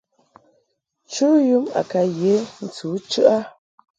Chu yum a ka ye ntɨ u chəʼ a.